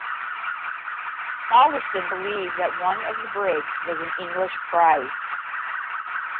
Balderston believed that one of the brigs was an English prize.